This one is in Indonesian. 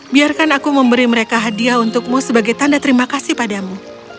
biarkan aku memberi mereka hadiah untukmu sebagai tanda terima kasih padamu